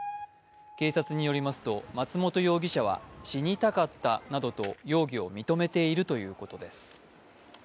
警察によりますと、松本容疑者は死にたかったなどと容疑を認めているということです。